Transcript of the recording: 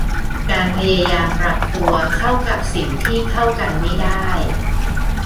การพยายามปรับตัวเข้ากับสิ่งที่เข้ากันไม่ได้